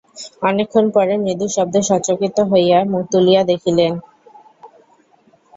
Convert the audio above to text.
অনেকক্ষণ পরে মৃদু শব্দে সচকিত হইয়া মুখ তুলিয়া দেখিলেন।